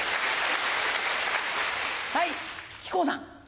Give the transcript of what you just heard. はい木久扇さん。